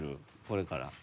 これから。